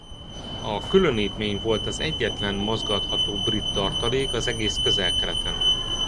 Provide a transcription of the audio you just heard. A különítmény volt az egyetlen mozgatható brit tartalék az egész Közel-Keleten.